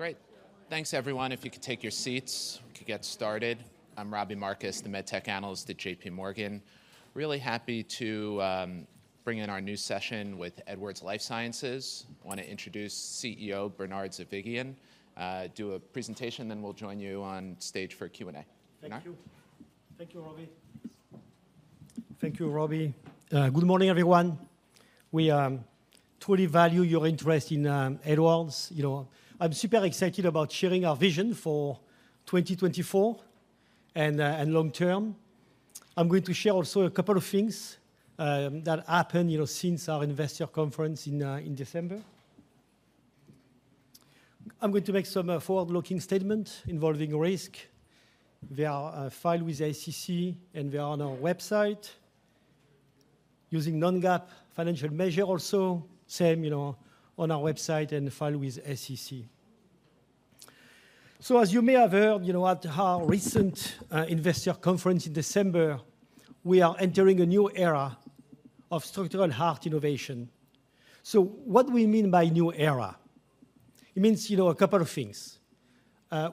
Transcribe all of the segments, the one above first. Great! Thanks, everyone. If you could take your seats, we could get started. I'm Robbie Marcus, the MedTech analyst at JPMorgan. Really happy to bring in our new session with Edwards Lifesciences. I wanna introduce CEO Bernard Zovighian, do a presentation, then we'll join you on stage for a Q&A. Bernard? Thank you. Thank you, Robbie. Thank you, Robbie. Good morning, everyone. We truly value your interest in Edwards. You know, I'm super excited about sharing our vision for 2024 and long term. I'm going to share also a couple of things that happened, you know, since our investor conference in December. I'm going to make some forward-looking statement involving risk. They are filed with SEC, and they are on our website. Using non-GAAP financial measure also, same, you know, on our website and filed with SEC. So as you may have heard, you know, at our recent investor conference in December, we are entering a new era of structural heart innovation. So what we mean by new era? It means, you know, a couple of things.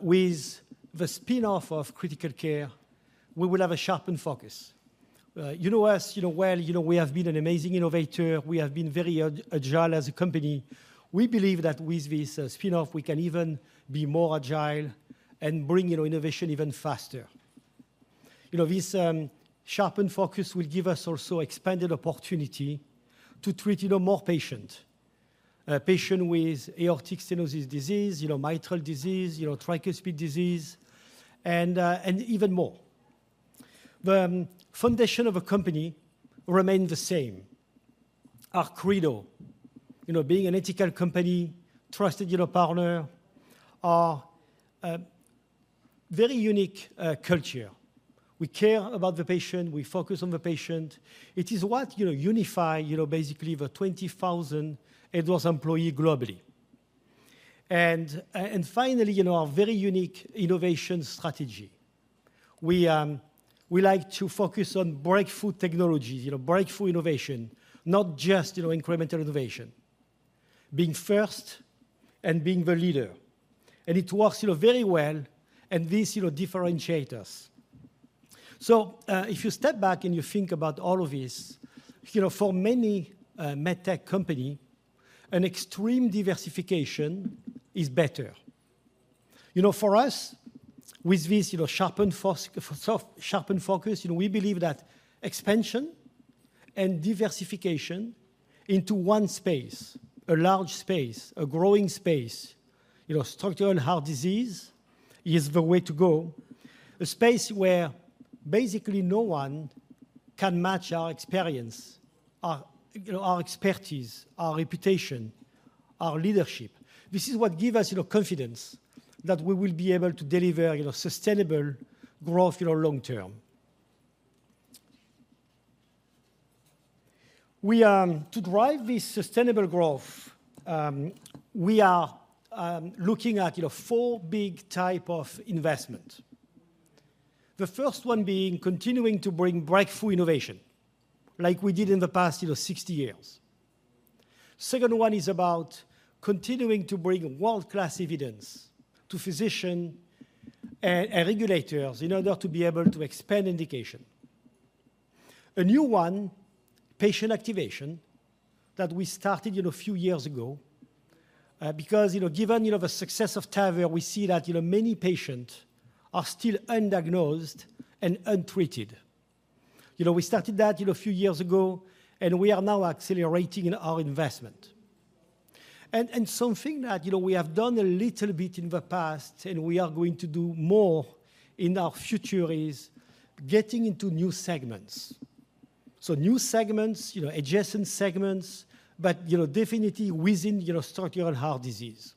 With the spin-off of Critical Care, we will have a sharpened focus. You know us, you know well, you know, we have been an amazing innovator. We have been very agile as a company. We believe that with this spin-off, we can even be more agile and bring, you know, innovation even faster. You know, this sharpened focus will give us also expanded opportunity to treat, you know, more patient. A patient with aortic stenosis disease, you know, mitral disease, you know, tricuspid disease, and, and even more. The foundation of a company remain the same. Our credo, you know, being an ethical company, trusted, you know, partner, our very unique culture. We care about the patient. We focus on the patient. It is what, you know, unify, you know, basically the 20,000 Edwards employee globally. And finally, you know, our very unique innovation strategy. We, we like to focus on breakthrough technologies, you know, breakthrough innovation, not just, you know, incremental innovation. Being first and being the leader, and it works, you know, very well, and this, you know, differentiate us. So, if you step back and you think about all of this, you know, for many, MedTech company, an extreme diversification is better. You know, for us, with this, you know, sharpened focus, you know, we believe that expansion and diversification into one space, a large space, a growing space, you know, structural heart disease, is the way to go. A space where basically no one can match our experience, our, you know, our expertise, our reputation, our leadership. This is what give us, you know, confidence that we will be able to deliver, you know, sustainable growth, you know, long term. We, to drive this sustainable growth, we are looking at, you know, 4 big type of investment. The first one being continuing to bring breakthrough innovation like we did in the past, you know, 60 years. Second one is about continuing to bring world-class evidence to physician and, and regulators in order to be able to expand indication. A new one, patient activation, that we started, you know, a few years ago, because, you know, given, you know, the success of TAVR, we see that, you know, many patient are still undiagnosed and untreated. You know, we started that, you know, a few years ago, and we are now accelerating in our investment. Something that, you know, we have done a little bit in the past, and we are going to do more in our future, is getting into new segments. So new segments, you know, adjacent segments, but, you know, definitely within, you know, structural heart disease.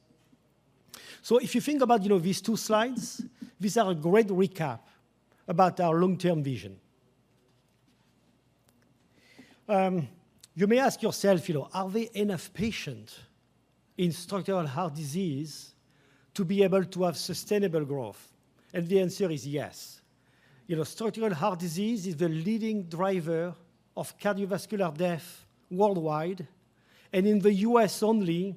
So if you think about, you know, these two slides, these are a great recap about our long-term vision. You may ask yourself, you know, "Are there enough patient in structural heart disease to be able to have sustainable growth?" And the answer is yes. You know, structural heart disease is the leading driver of cardiovascular death worldwide, and in the U.S. only,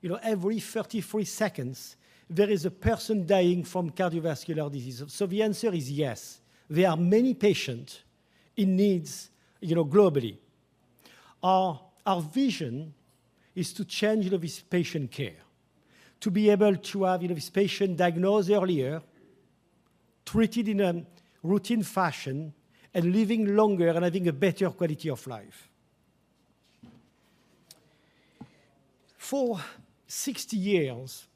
you know, every 33 seconds there is a person dying from cardiovascular disease. So the answer is yes, there are many patient in needs, you know, globally. Our vision is to change this patient care, to be able to have, you know, this patient diagnosed earlier, treated in a routine fashion, and living longer and having a better quality of life. For 60 years,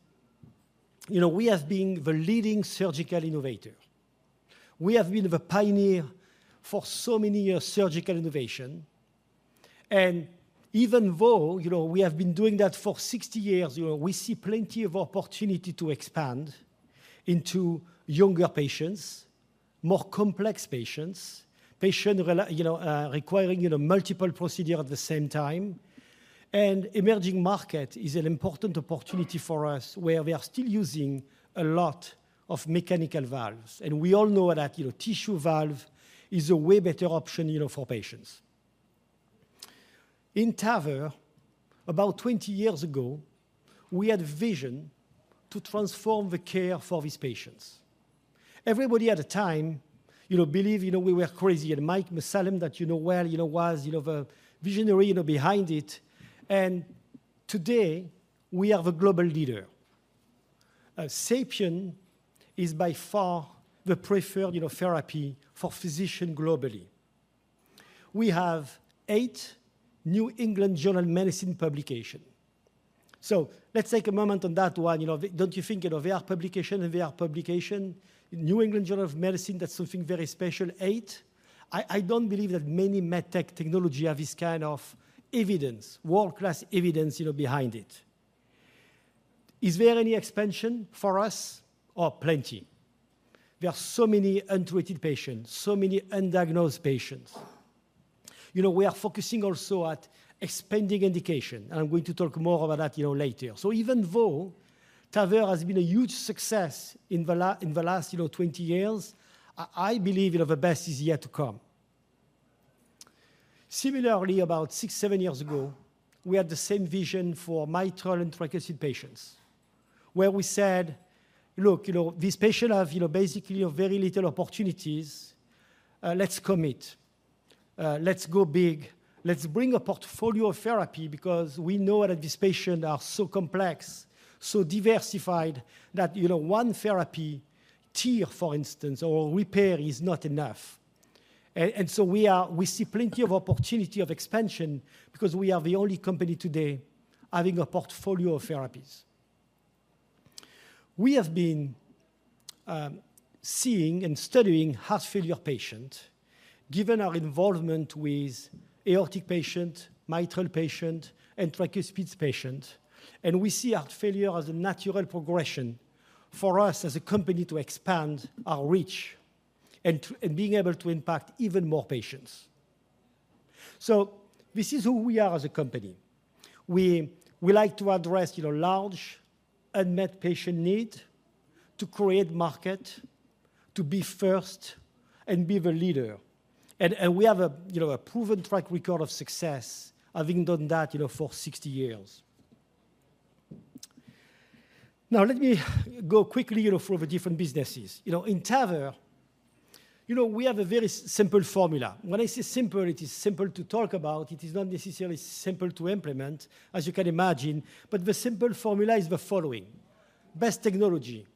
you know, we have been the leading surgical innovator. We have been the pioneer for so many years, surgical innovation. And even though, you know, we have been doing that for 60 years, you know, we see plenty of opportunity to expand into younger patients, more complex patients, you know, requiring, you know, multiple procedure at the same time. Emerging market is an important opportunity for us, where we are still using a lot of mechanical valves, and we all know that, you know, tissue valve is a way better option, you know, for patients.... In TAVR, about 20 years ago, we had a vision to transform the care for these patients. Everybody at the time, you know, believe, you know, we were crazy, and Mike Mussallem, that you know well, you know, was, you know, the visionary, you know, behind it. And today, we are the global leader. SAPIEN is by far the preferred, you know, therapy for physician globally. We have eight New England Journal of Medicine publication. So let's take a moment on that one. You know, don't you think, you know, our publication and our publication, New England Journal of Medicine, that's something very special, eight? I don't believe that many MedTech technology have this kind of evidence, world-class evidence, you know, behind it. Is there any expansion for us? Oh, plenty. There are so many untreated patients, so many undiagnosed patients. You know, we are focusing also at expanding indication, and I'm going to talk more about that, you know, later. So even though TAVR has been a huge success in the last, you know, 20 years, I believe, you know, the best is yet to come. Similarly, about 6, 7 years ago, we had the same vision for mitral and tricuspid patients, where we said: Look, you know, these patients have, you know, basically very little opportunities. Let's commit. Let's go big. Let's bring a portfolio of therapy because we know that these patients are so complex, so diversified, that, you know, one therapy TEER, for instance, or repair is not enough. And so we see plenty of opportunity of expansion because we are the only company today having a portfolio of therapies. We have been seeing and studying heart failure patient, given our involvement with aortic patient, mitral patient, and tricuspid patient, and we see heart failure as a natural progression for us as a company to expand our reach and being able to impact even more patients. So this is who we are as a company. We, we like to address, you know, large unmet patient need, to create market, to be first, and be the leader. We have a, you know, a proven track record of success, having done that, you know, for 60 years. Now, let me go quickly, you know, through the different businesses. You know, in TAVR, you know, we have a very simple formula. When I say simple, it is simple to talk about. It is not necessarily simple to implement, as you can imagine. But the simple formula is the following: best technology.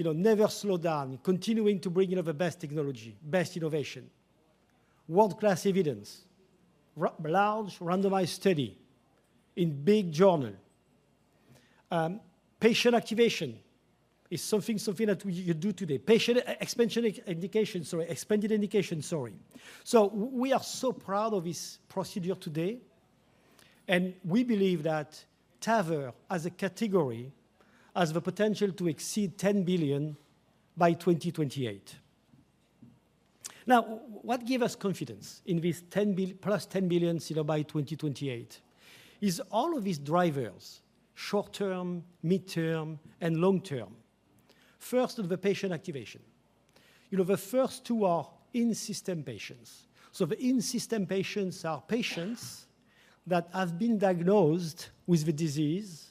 You know, never slow down, continuing to bring, you know, the best technology, best innovation. World-class evidence, large randomized study in big journal. Patient activation is something that we do today. Patient expansion indication, sorry, expanded indication, sorry. So we are so proud of this procedure today, and we believe that TAVR, as a category, has the potential to exceed $10 billion by 2028. Now, what gives us confidence in this $10 billion-plus $10 billion, you know, by 2028? It is all of these drivers, short-term, midterm, and long-term. First, of the patient activation. You know, the first two are in-system patients. So the in-system patients are patients that have been diagnosed with the disease,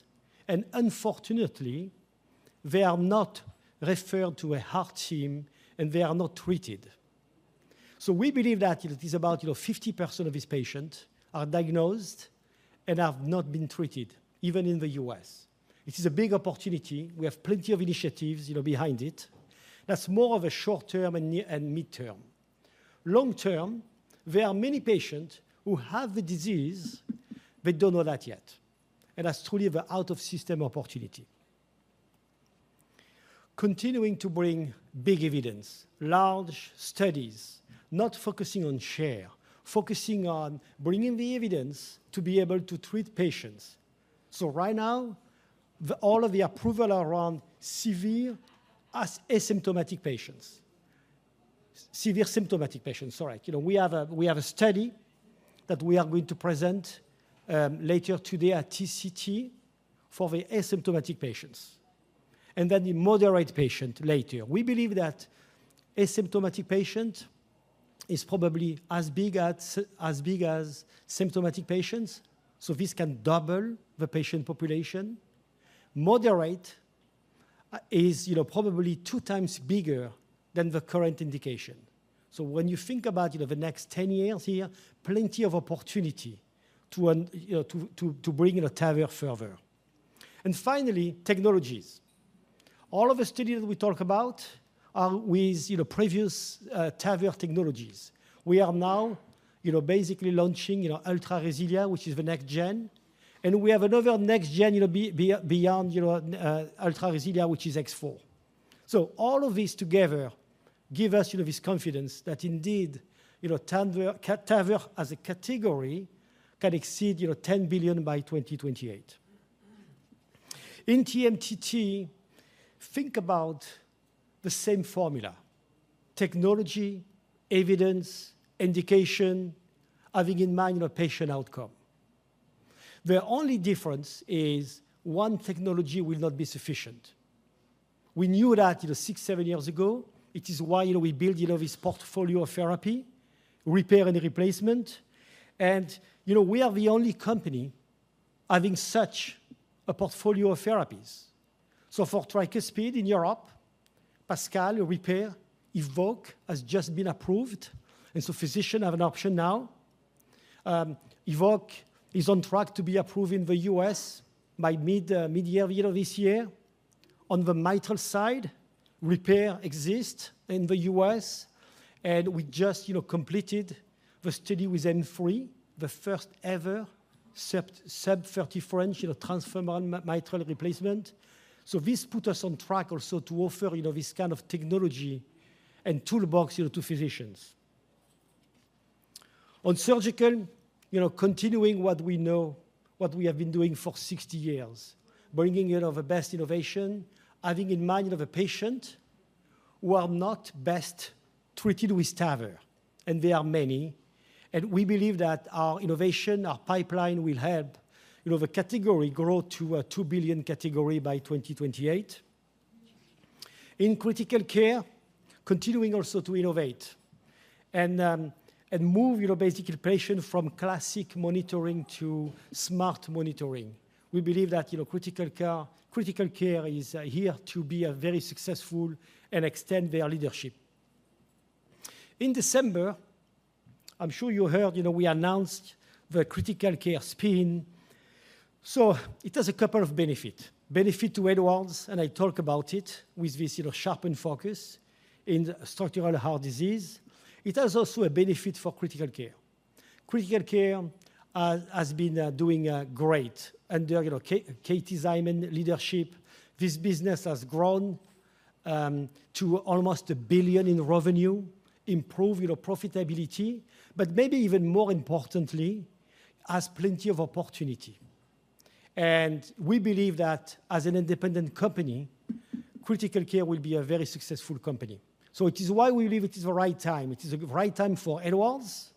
and unfortunately, they are not referred to a heart team, and they are not treated. So we believe that it is about, you know, 50% of these patients are diagnosed and have not been treated, even in the U.S. It is a big opportunity. We have plenty of initiatives, you know, behind it. That's more of a short-term and near- and midterm. Long-term, there are many patients who have the disease, but don't know that yet, and that's truly the out-of-system opportunity. Continuing to bring big evidence, large studies, not focusing on share, focusing on bringing the evidence to be able to treat patients. So right now, all of the approvals are around severe AS asymptomatic patients. Severe symptomatic patients, sorry. You know, we have a study that we are going to present later today at TCT for the asymptomatic patients, and then the moderate patient later. We believe that asymptomatic patient is probably as big as symptomatic patients, so this can double the patient population. Moderate is, you know, probably two times bigger than the current indication. So when you think about, you know, the next 10 years here, plenty of opportunity to you know, to bring the TAVR further. And finally, technologies. All of the studies we talk about are with, you know, previous TAVR technologies. We are now, you know, basically launching, you know, Ultra RESILIA, which is the next gen, and we have another next gen, you know, beyond, you know, Ultra RESILIA, which is X4. So all of these together give us, you know, this confidence that indeed, you know, TAVR, TAVR as a category can exceed, you know, $10 billion by 2028. In TMTT, think about the same formula: technology, evidence, indication, having in mind the patient outcome.... The only difference is one technology will not be sufficient. We knew that, you know, 6, 7 years ago. It is why, you know, we build, you know, this portfolio of therapy, repair and replacement. And, you know, we are the only company having such a portfolio of therapies. So for tricuspid in Europe, PASCAL repair, EVOQUE has just been approved, and so physician have an option now. EVOQUE is on track to be approved in the U.S. by midyear, you know, this year. On the mitral side, repair exists in the U.S., and we just, you know, completed the study with M3, the first-ever sub-30 French, you know, transfemoral mitral replacement. So this put us on track also to offer, you know, this kind of technology and toolbox, you know, to physicians. On surgical, you know, continuing what we know, what we have been doing for 60 years, bringing, you know, the best innovation, having in mind of the patient who are not best treated with TAVR, and they are many. And we believe that our innovation, our pipeline will help, you know, the category grow to a $2 billion category by 2028. In Critical Care, continuing also to innovate and move, you know, basically patient from classic monitoring to smart monitoring. We believe that, you know, Critical Care is here to be very successful and extend their leadership. In December, I'm sure you heard, you know, we announced the Critical Care spin. So it has a couple of benefit. Benefit to Edwards, and I talk about it with this, you know, sharpened focus in structural heart disease. It has also a benefit for Critical Care. Critical Care has been doing great. Under, you know, Katie Szyman leadership, this business has grown to almost $1 billion in revenue, improve profitability, but maybe even more importantly, has plenty of opportunity. And we believe that as an independent company, Critical Care will be a very successful company. So it is why we believe it is the right time. It is a right time for Edwards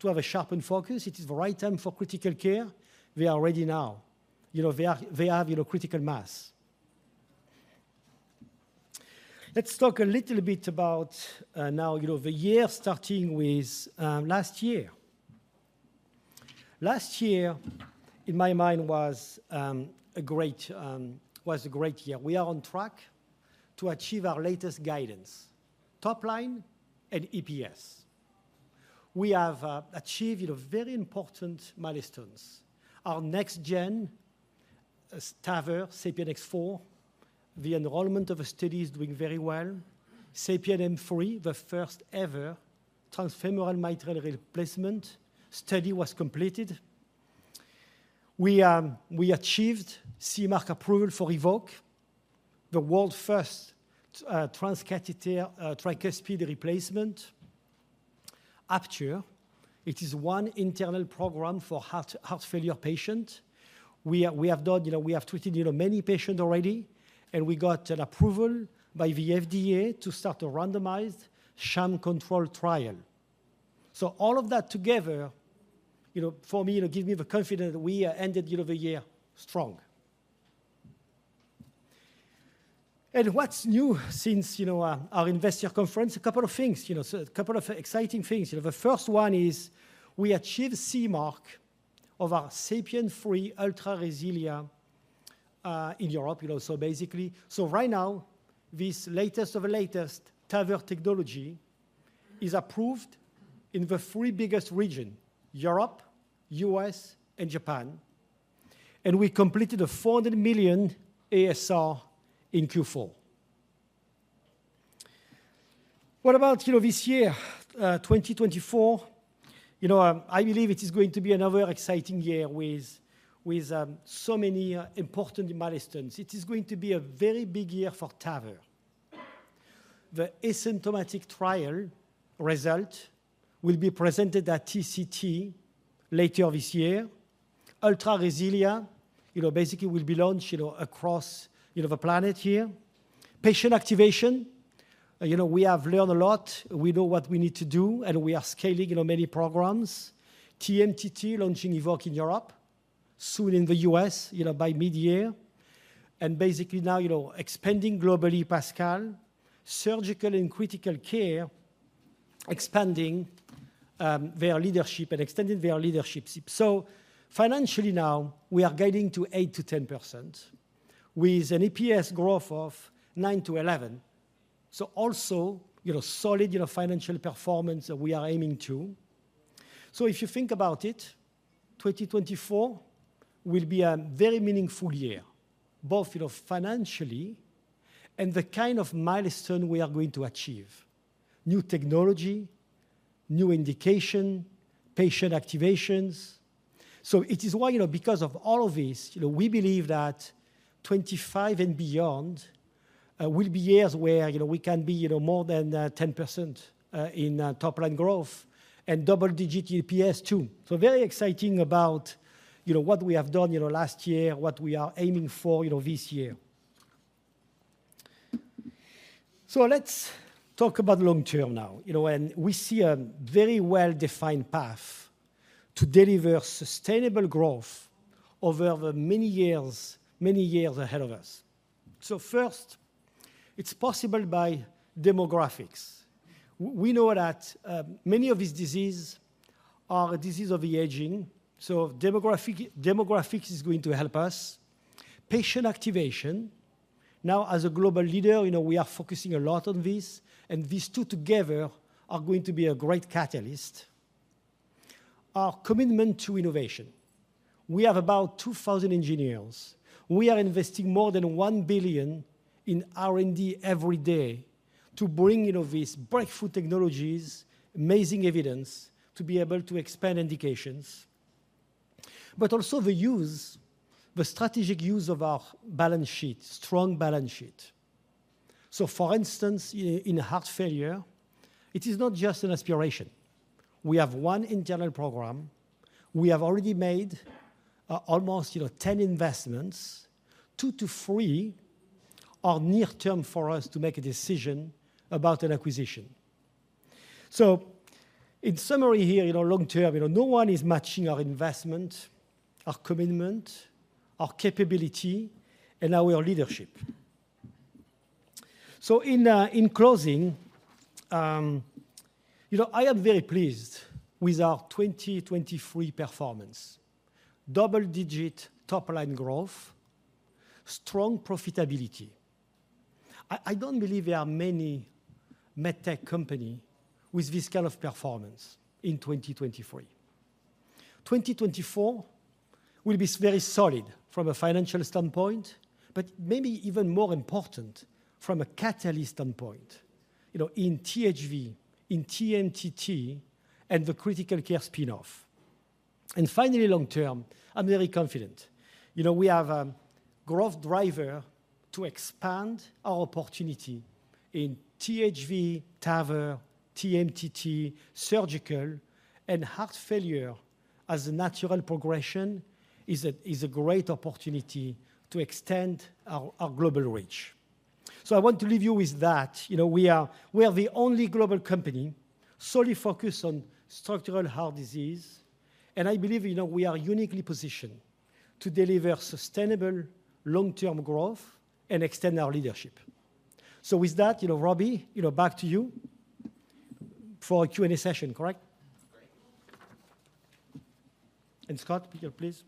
to have a sharpened focus. It is the right time for Critical Care. We are ready now. You know, they are- they have, you know, critical mass. Let's talk a little bit about, now, you know, the year, starting with last year. Last year, in my mind, was a great year. We are on track to achieve our latest guidance, top line and EPS. We have achieved, you know, very important milestones. Our next gen TAVR, SAPIEN X4, the enrollment of a study is doing very well. SAPIEN M3, the first-ever transfemoral mitral replacement study was completed. We, we achieved CE Mark approval for EVOQUE, the world-first transcatheter tricuspid replacement. Apture, it is one internal program for heart, heart failure patient. We have, we have done, you know, we have treated, you know, many patient already, and we got an approval by the FDA to start a randomized sham control trial. So all of that together, you know, for me, you know, give me the confidence that we ended, you know, the year strong. And what's new since, you know, our, our investor conference? A couple of things, you know, so a couple of exciting things. You know, the first one is we achieved CE Mark of our SAPIEN 3 Ultra RESILIA in Europe, you know, so basically... So right now, this latest of the latest TAVR technology is approved in the three biggest region: Europe, U.S., and Japan. And we completed a $400 million ASR in Q4. What about, you know, this year, 2024? You know, I believe it is going to be another exciting year with so many important milestones. It is going to be a very big year for TAVR. The asymptomatic trial result will be presented at TCT later this year. Ultra RESILIA, you know, basically will be launched, you know, across, you know, the planet this year. Patient activation, you know, we have learned a lot. We know what we need to do, and we are scaling, you know, many programs. TMTT, launching EVOQUE in Europe, soon in the U.S., you know, by midyear. And basically now, you know, expanding globally PASCAL. Surgical and Critical Care, expanding their leadership and extending their leadership. So financially now, we are guiding to 8%-10%, with an EPS growth of 9%-11%. So also, you know, solid, you know, financial performance that we are aiming to. So if you think about it, 2024 will be a very meaningful year, both, you know, financially and the kind of milestone we are going to achieve: new technology, new indication, patient activations. So it is why, you know, because of all of this, you know, we believe that 25 and beyond will be years where, you know, we can be, you know, more than 10% in top-line growth and double-digit EPS too. So very exciting about, you know, what we have done, you know, last year, what we are aiming for, you know, this year. So let's talk about long term now. You know, and we see a very well-defined path to deliver sustainable growth over the many years, many years ahead of us. So first, it's possible by demographics. We know that many of these disease are a disease of the aging, so demographics is going to help us. Patient activation, now, as a global leader, you know, we are focusing a lot on this, and these two together are going to be a great catalyst. Our commitment to innovation. We have about 2,000 engineers. We are investing more than $1 billion in R&D every day to bring, you know, these breakthrough technologies, amazing evidence, to be able to expand indications, but also the strategic use of our balance sheet, strong balance sheet. So for instance, in heart failure, it is not just an aspiration. We have one internal program. We have already made almost, you know, 10 investments. 2-3 are near term for us to make a decision about an acquisition. So in summary here, you know, long term, you know, no one is matching our investment, our commitment, our capability, and our leadership. So in closing, you know, I am very pleased with our 2023 performance: double-digit top-line growth, strong profitability. I don't believe there are many MedTech companies with this kind of performance in 2023. 2024 will be very solid from a financial standpoint, but maybe even more important from a catalyst standpoint, you know, in THV, in TMTT, and the Critical Care spin-off. And finally, long term, I'm very confident. You know, we have a growth driver to expand our opportunity in THV, TAVR, TMTT, surgical, and heart failure as a natural progression is a great opportunity to extend our global reach. So I want to leave you with that. You know, we are the only global company solely focused on structural heart disease, and I believe, you know, we are uniquely positioned to deliver sustainable long-term growth and extend our leadership. So with that, you know, Robbie, you know, back to you for a Q&A session, correct? Correct. Scott, you please.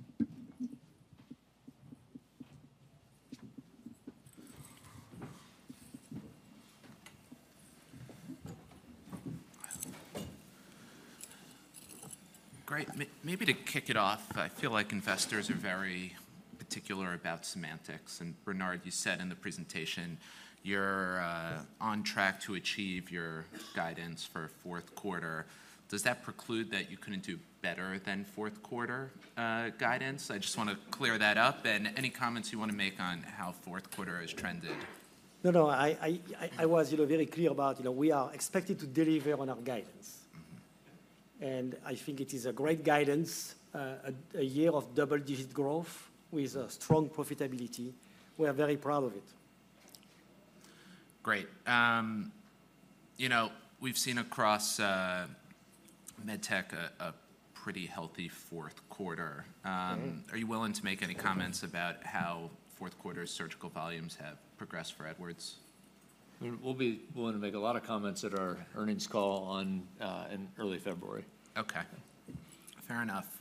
Great. Maybe to kick it off, I feel like investors are very particular about semantics. And Bernard, you said in the presentation you're on track to achieve your guidance for fourth quarter. Does that preclude that you couldn't do better than fourth quarter guidance? I just want to clear that up. And any comments you want to make on how fourth quarter has trended? No, no, I was, you know, very clear about, you know, we are expected to deliver on our guidance. I think it is a great guidance, a year of double-digit growth with a strong profitability. We are very proud of it. Great. You know, we've seen across MedTech a pretty healthy fourth quarter. Are you willing to make any comments about how fourth quarter surgical volumes have progressed for Edwards? We'll be willing to make a lot of comments at our earnings call in early February. Okay. Fair enough.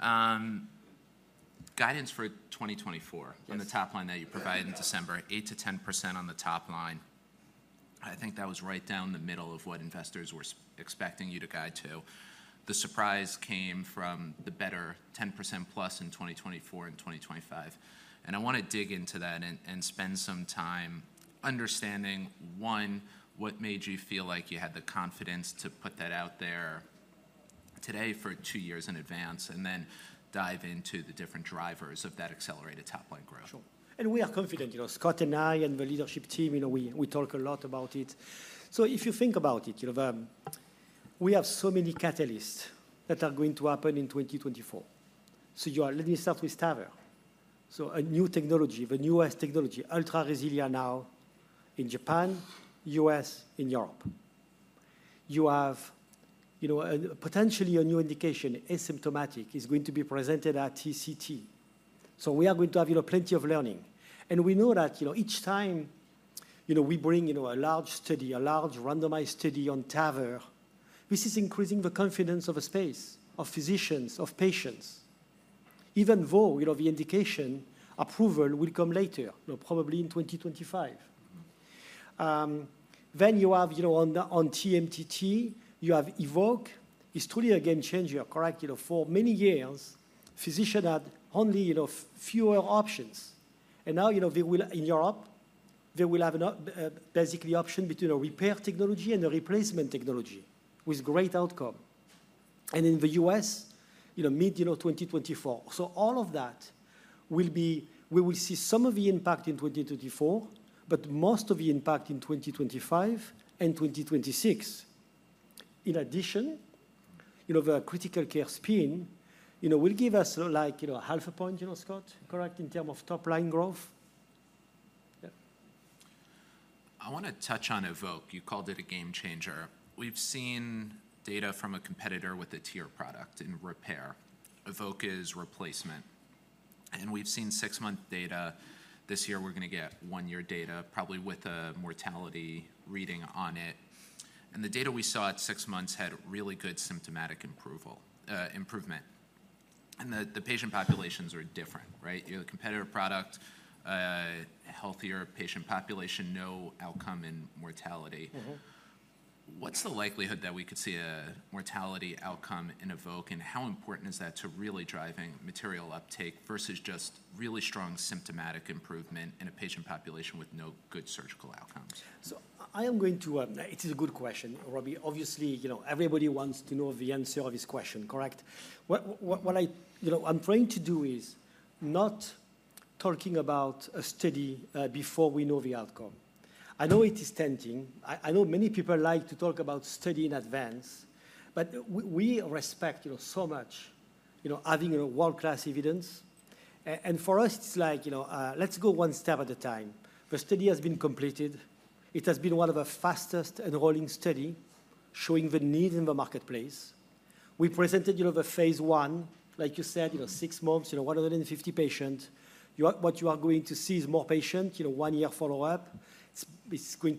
Guidance for 2024- On the top line that you provided in December, 8%-10% on the top line. I think that was right down the middle of what investors were expecting you to guide to. The surprise came from the better 10%+ in 2024 and 2025, and I want to dig into that and spend some time understanding, one, what made you feel like you had the confidence to put that out there today for two years in advance? And then dive into the different drivers of that accelerated top-line growth. Sure. And we are confident. You know, Scott and I and the leadership team, you know, we talk a lot about it. So if you think about it, you know, we have so many catalysts that are going to happen in 2024. So you are letting me start with TAVR. So a new technology, the newest technology, Ultra RESILIA, now in Japan, U.S., in Europe. You have, you know, a potentially a new indication, asymptomatic, is going to be presented at TCT. So we are going to have, you know, plenty of learning. And we know that, you know, each time, you know, we bring, you know, a large study, a large randomized study on TAVR, this is increasing the confidence of the space, of physicians, of patients, even though, you know, the indication approval will come later, you know, probably in 2025. Then you have, you know, on TMTT, you have EVOQUE. It's truly a game changer, correct? You know, for many years, physicians had only, you know, fewer options. And now, you know, they will, in Europe, they will have basically an option between a repair technology and a replacement technology with great outcomes. And in the U.S., you know, mid-2024. So all of that we will see some of the impact in 2024, but most of the impact in 2025 and 2026. In addition, you know, the Critical Care spin, you know, will give us, like, you know, half a point, you know, Scott, correct, in terms of top-line growth? Yeah. I want to touch on EVOQUE. You called it a game changer. We've seen data from a competitor with their product in repair. EVOQUE is replacement, and we've seen six-month data. This year, we're going to get one-year data, probably with a mortality reading on it. And the patient populations are different, right? You know, the competitor product, a healthier patient population, no outcome in mortality. What's the likelihood that we could see a mortality outcome in EVOQUE, and how important is that to really driving material uptake versus just really strong symptomatic improvement in a patient population with no good surgical outcomes? So I am going to. It is a good question, Robbie. Obviously, you know, everybody wants to know the answer of this question, correct? What I'm trying to do is not talking about a study before we know the outcome. I know it is tempting. I know many people like to talk about study in advance, but we respect, you know, so much, you know, having a world-class evidence. And for us, it's like, you know, let's go one step at a time. The study has been completed. It has been one of the fastest enrolling study, showing the need in the marketplace. We presented, you know, the phase one, like you said, you know, six months, you know, 150 patient. What you are going to see is more patient, you know, one-year follow-up. It's going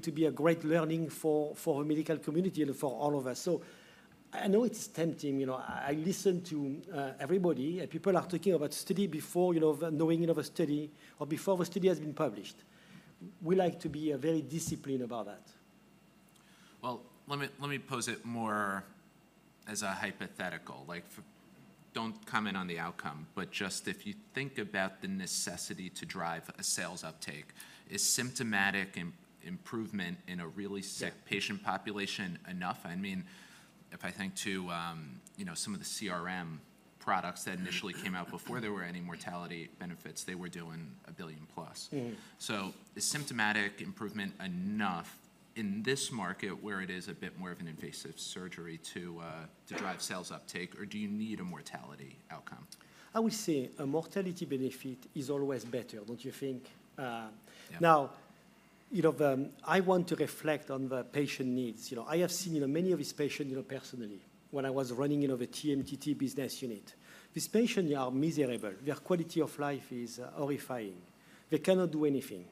to be a great learning for the medical community and for all of us. So I know it's tempting, you know. I listen to everybody, and people are talking about study before, you know, knowing of a study or before the study has been published. We like to be very disciplined about that. Well, let me, let me pose it more as a hypothetical. Like, for—don't comment on the outcome, but just if you think about the necessity to drive a sales uptake, is symptomatic improvement in a really-... sick patient population enough? I mean, if I think to, you know, some of the CRM products that initially came out before there were any mortality benefits, they were doing $1 billion-plus. So is symptomatic improvement enough in this market, where it is a bit more of an invasive surgery to, to drive sales uptake, or do you need a mortality outcome? I would say a mortality benefit is always better, don't you think? Yeah. Now, you know, I want to reflect on the patient needs. You know, I have seen, you know, many of these patients, you know, personally, when I was running, you know, the TMTT business unit. These patients are miserable. Their quality of life is horrifying. They cannot do anything.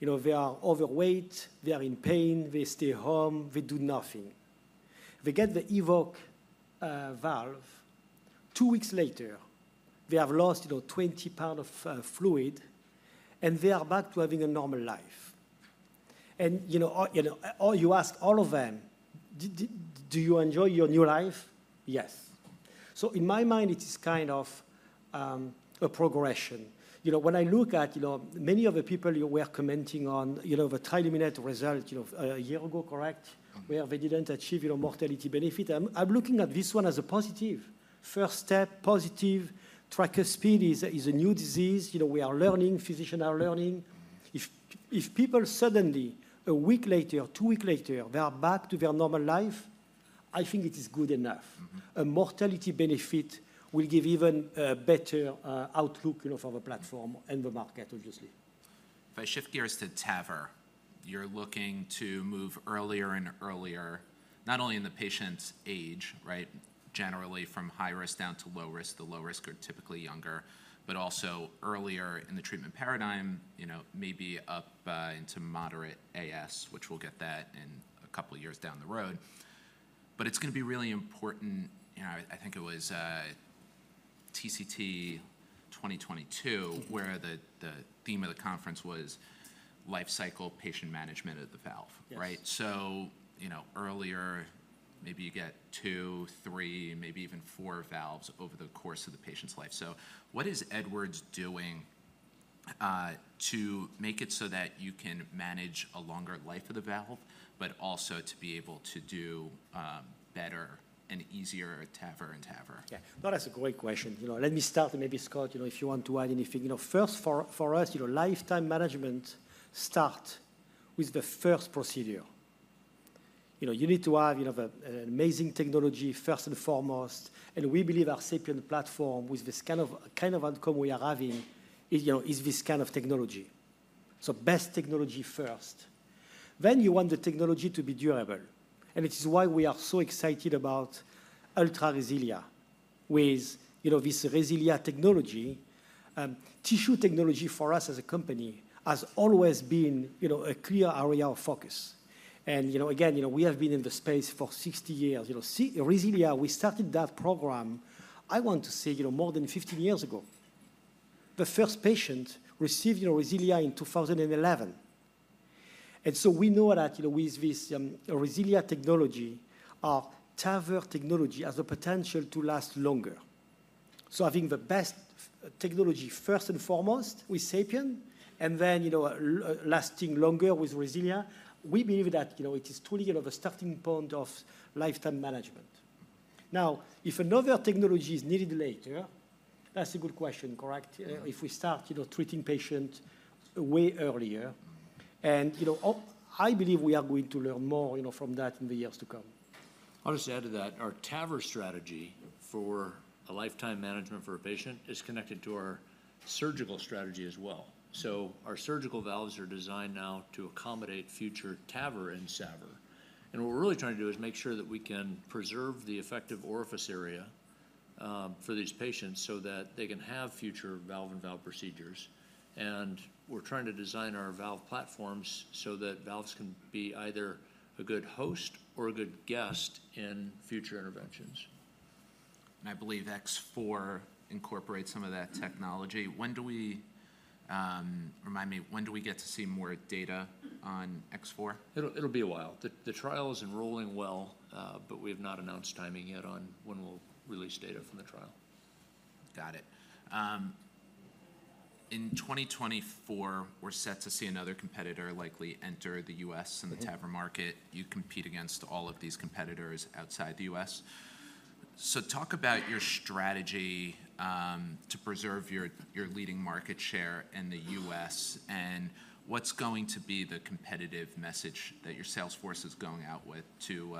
You know, they are overweight, they are in pain, they stay home, they do nothing. They get the EVOQUE valve. Two weeks later, they have lost 20 pounds of fluid, and they are back to having a normal life. And, you know, you ask all of them: Do you enjoy your new life? "Yes." So in my mind, it is kind of a progression. You know, when I look at, you know, many of the people you were commenting on, you know, the TMTT result, you know, a year ago, correct? Where they didn't achieve, you know, mortality benefit. I'm looking at this one as a positive. First step, positive. Tricuspid is a new disease. You know, we are learning, physician are learning. If people suddenly, a week later, two week later, they are back to their normal life, I think it is good enough. A mortality benefit will give even a better outlook, you know, for the platform-... and the market, obviously. If I shift gears to TAVR, you're looking to move earlier and earlier, not only in the patient's age, right? Generally, from high risk down to low risk. The low risk are typically younger, but also earlier in the treatment paradigm, you know, maybe up into moderate AS, which we'll get that in a couple of years down the road. But it's going to be really important, you know, I think it was TCT 2022-... where the theme of the conference was lifecycle patient management of the valve. Yes. Right? So, you know, earlier, maybe you get two, three, maybe even four valves over the course of the patient's life. So what is Edwards doing to make it so that you can manage a longer life of the valve, but also to be able to do better and easier TAVR and TAVR? Yeah. Well, that's a great question. You know, let me start, and maybe, Scott, you know, if you want to add anything. You know, first, for, for us, you know, lifetime management start with the first procedure. You know, you need to have, you know, an amazing technology, first and foremost, and we believe our SAPIEN platform, with this kind of, kind of outcome we are having, is, you know, is this kind of technology. So best technology first. Then you want the technology to be durable, and it is why we are so excited about Ultra RESILIA. With, you know, this RESILIA technology, tissue technology for us as a company has always been, you know, a clear area of focus. And you know, again, you know, we have been in the space for 60 years. You know, RESILIA, we started that program, I want to say, you know, more than 15 years ago. The first patient received, you know, RESILIA in 2011. And so we know that, you know, with this RESILIA technology, our TAVR technology has the potential to last longer. So having the best technology, first and foremost, with SAPIEN, and then, you know, lasting longer with RESILIA, we believe that, you know, it is truly, you know, the starting point of lifetime management.... Now, if another technology is needed later, that's a good question, correct? If we start, you know, treating patient way earlier, and, you know, I believe we are going to learn more, you know, from that in the years to come. I'll just add to that. Our TAVR strategy for a lifetime management for a patient is connected to our surgical strategy as well. So our surgical valves are designed now to accommodate future TAVR and SAVR. And what we're really trying to do is make sure that we can preserve the effective orifice area, for these patients so that they can have future valve-in-valve procedures. And we're trying to design our valve platforms so that valves can be either a good host or a good guest in future interventions. I believe X4 incorporates some of that technology. Remind me, when do we get to see more data on X4? It'll be a while. The trial is enrolling well, but we have not announced timing yet on when we'll release data from the trial. Got it. In 2024, we're set to see another competitor likely enter the U.S.-... in the TAVR market. You compete against all of these competitors outside the U.S. So talk about your strategy to preserve your leading market share in the U.S., and what's going to be the competitive message that your sales force is going out with to,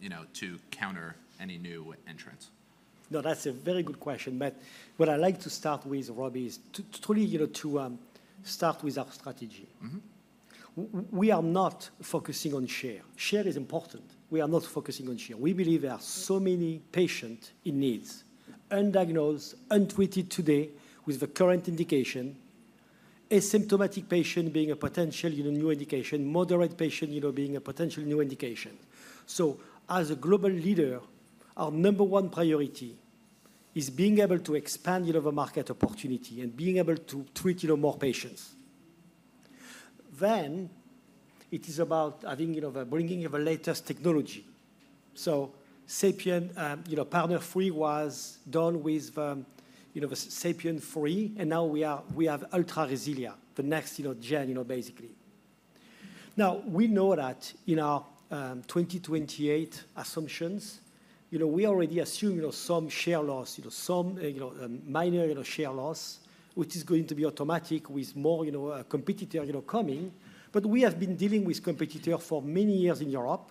you know, to counter any new entrants? No, that's a very good question, but what I like to start with, Robbie, is to really, you know, start with our strategy. We are not focusing on share. Share is important. We are not focusing on share. We believe there are so many patients in need, undiagnosed, untreated today with the current indication, asymptomatic patients being a potential, you know, new indication, moderate patients, you know, being a potential new indication. So as a global leader, our number one priority is being able to expand, you know, the market opportunity and being able to treat, you know, more patients. Then, it is about having, you know, the bringing of the latest technology. So SAPIEN, you know, PARTNER 3 was done with the, you know, the SAPIEN 3, and now we have Ultra RESILIA, the next, you know, gen, you know, basically. Now, we know that in our 2028 assumptions, you know, we already assume, you know, some share loss, you know, some, you know, minor, you know, share loss, which is going to be automatic with more, you know, competitor, you know, coming. But we have been dealing with competitor for many years in Europe,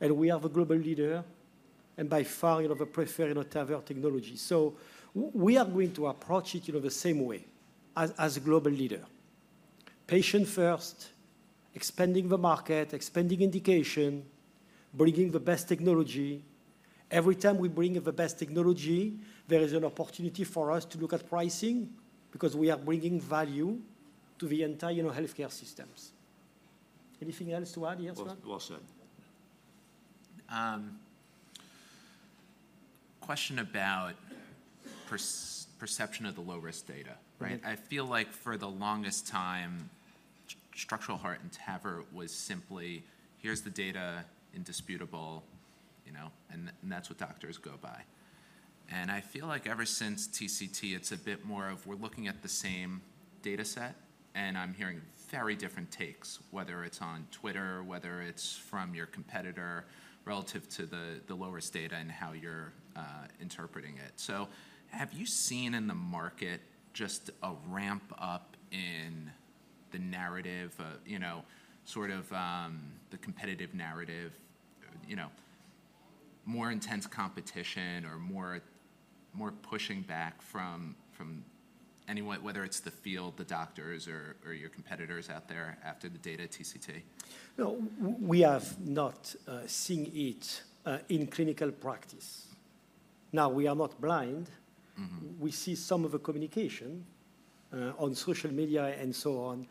and we are the global leader, and by far, you know, the preferred, you know, TAVR technology. So we are going to approach it, you know, the same way as, as a global leader. Patient first, expanding the market, expanding indication, bringing the best technology. Every time we bring the best technology, there is an opportunity for us to look at pricing because we are bringing value to the entire, you know, healthcare systems. Anything else to add here, Scott? Well, well said. Question about perception of the low-risk data, right? I feel like for the longest time, structural heart and TAVR was simply, here's the data, indisputable, you know, and that's what doctors go by. And I feel like ever since TCT, it's a bit more of we're looking at the same dataset, and I'm hearing very different takes, whether it's on Twitter, whether it's from your competitor, relative to the low-risk data and how you're interpreting it. So have you seen in the market just a ramp up in the narrative of, you know, sort of the competitive narrative, you know, more intense competition or more pushing back from anyone, whether it's the field, the doctors or your competitors out there after the data TCT? No, we have not seeing it in clinical practice. Now, we are not blind. We see some of the communication on social media and so on.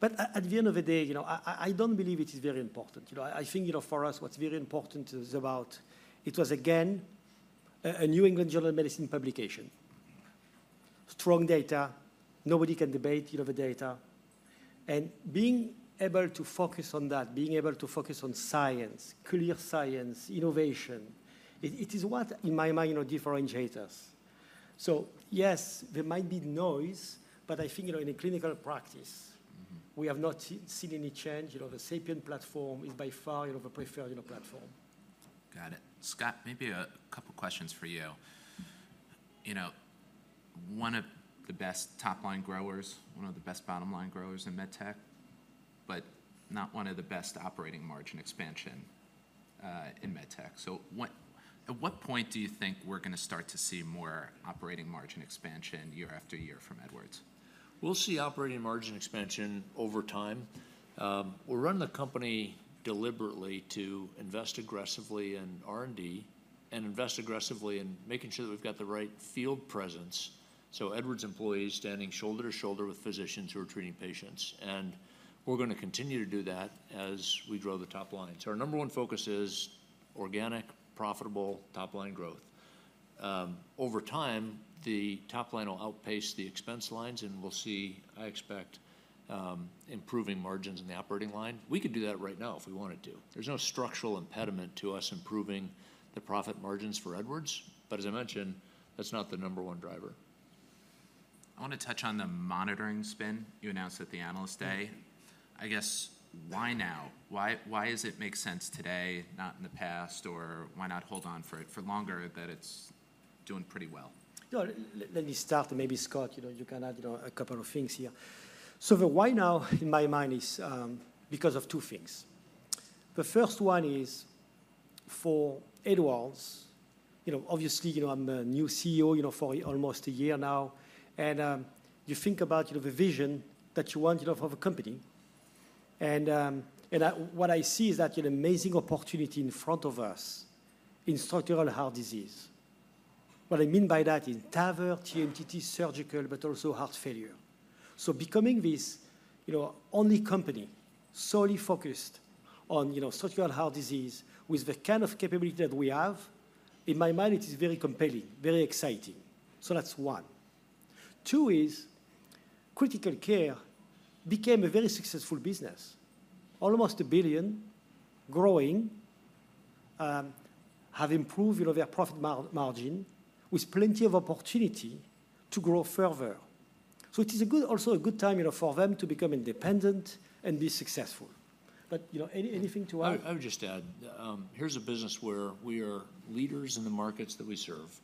But at the end of the day, you know, I don't believe it is very important. You know, I think, you know, for us, what's very important is about... It was, again, a New England Journal of Medicine publication. Strong data, nobody can debate, you know, the data. And being able to focus on that, being able to focus on science, clear science, innovation, it is what, in my mind, you know, differentiates us. So yes, there might be noise, but I think, you know, in a clinical practice.... we have not seen any change. You know, the SAPIEN platform is by far, you know, the preferred, you know, platform. Got it. Scott, maybe a couple questions for you. You know, one of the best top-line growers, one of the best bottom-line growers in medtech, but not one of the best operating margin expansion in medtech. So, at what point do you think we're gonna start to see more operating margin expansion year after year from Edwards? We'll see operating margin expansion over time. We're running the company deliberately to invest aggressively in R&D and invest aggressively in making sure that we've got the right field presence, so Edwards employees standing shoulder to shoulder with physicians who are treating patients. And we're gonna continue to do that as we grow the top line. So our number one focus is organic, profitable, top-line growth. Over time, the top line will outpace the expense lines, and we'll see, I expect, improving margins in the operating line. We could do that right now if we wanted to. There's no structural impediment to us improving the profit margins for Edwards, but as I mentioned, that's not the number one driver. ... I want to touch on the monitoring spin you announced at the Analyst Day. I guess, why now? Why, why does it make sense today, not in the past? Or why not hold on for it for longer, that it's doing pretty well? Well, let me start, and maybe Scott, you know, you can add, you know, a couple of things here. So the why now, in my mind, is because of two things. The first one is for Edwards, you know, obviously, you know, I'm the new CEO, you know, for almost a year now, and you think about, you know, the vision that you wanted of a company. And what I see is that an amazing opportunity in front of us in structural heart disease. What I mean by that is TAVR, TMTT, surgical, but also heart failure. So becoming this, you know, only company solely focused on, you know, structural heart disease with the kind of capability that we have, in my mind, it is very compelling, very exciting. So that's one. Two is, Critical Care became a very successful business. Almost $1 billion, growing, have improved, you know, their profit margin, with plenty of opportunity to grow further. So it is also a good time, you know, for them to become independent and be successful. But, you know, anything to add? I would just add, here's a business where we are leaders in the markets that we serve.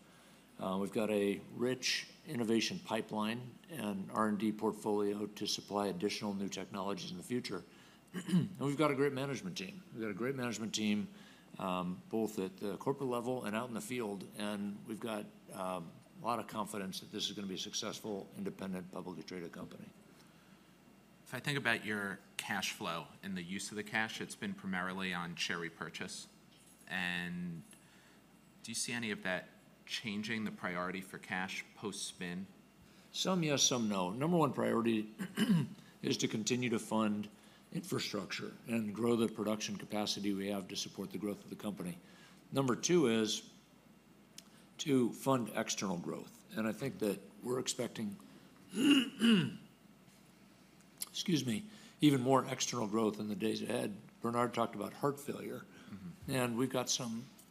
We've got a rich innovation pipeline and R&D portfolio to supply additional new technologies in the future. And we've got a great management team. We've got a great management team, both at the corporate level and out in the field, and we've got a lot of confidence that this is going to be a successful, independent, publicly traded company. If I think about your cash flow and the use of the cash, it's been primarily on share repurchase. Do you see any of that changing the priority for cash post-spin? Some, yes, some, no. Number 1 priority is to continue to fund infrastructure and grow the production capacity we have to support the growth of the company. Number 2 is to fund external growth, and I think that we're expecting, excuse me, even more external growth in the days ahead. Bernard talked about heart failure- And we've got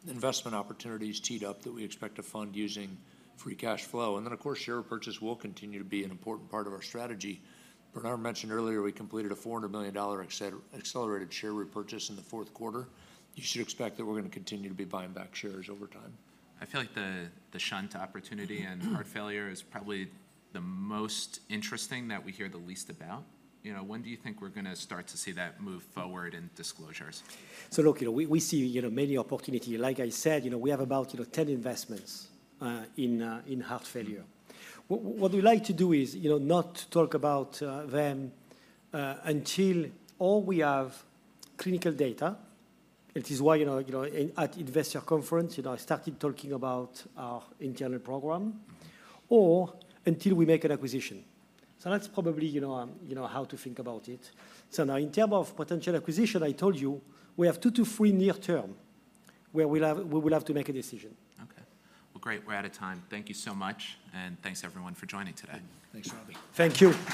some investment opportunities teed up that we expect to fund using free cash flow. And then, of course, share repurchase will continue to be an important part of our strategy. Bernard mentioned earlier, we completed a $400 million accelerated share repurchase in the fourth quarter. You should expect that we're going to continue to be buying back shares over time. I feel like the shunt opportunity and heart failure is probably the most interesting that we hear the least about. You know, when do you think we're going to start to see that move forward in disclosures? So look, you know, we see, you know, many opportunity. Like I said, you know, we have about, you know, 10 investments in heart failure. What we like to do is, you know, not talk about them until all we have clinical data. It is why, you know, at investor conference, you know, I started talking about our internal program, or until we make an acquisition. So that's probably, you know, how to think about it. So now, in term of potential acquisition, I told you, we have 2-3 near term, where we'll have, we will have to make a decision. Okay. Well, great. We're out of time. Thank you so much, and thanks, everyone, for joining today. Thanks, Robbie. Thank you.